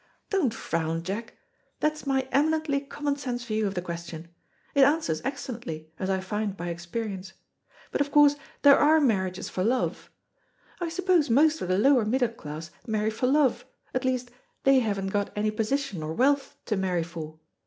Don't frown, Jack. That's my eminently common sense view of the question. It answers excellently, as I find by experience. But, of course, there are marriages for love. I suppose most of the lower middle class marry for love, at least they haven't got any position or wealth to marry for.